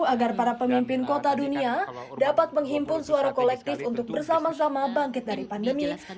agar para pemimpin kota dunia dapat menghimpun suara kolektif untuk bersama sama bangkit dari pandemi